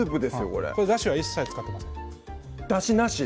これだしは一切使ってませんだしなし？